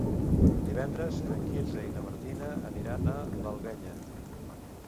Divendres en Quirze i na Martina aniran a l'Alguenya.